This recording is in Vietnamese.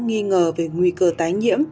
nghi ngờ về nguy cơ tái nhiễm